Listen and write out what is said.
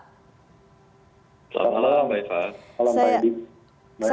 selamat malam mbak eva